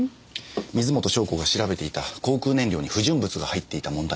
水元湘子が調べていた航空燃料に不純物が入っていた問題